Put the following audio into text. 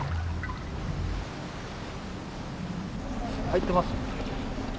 入ってます？